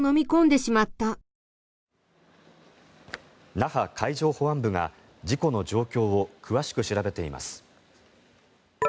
那覇海上保安部が事故の状況を詳しく調べています。